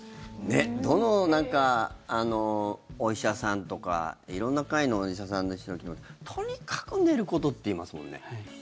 どのお医者さんとか色んな回のお医者さんの人とにかく寝ることって言いますもんね。